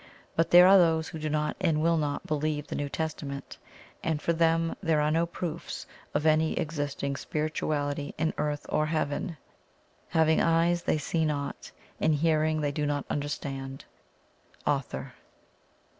But there are those who do not and will not believe the New Testament, and for them there are no "proofs" of any existing spirituality in earth or heaven. "Having eyes they see not, and hearing they do not understand." AUTHOR.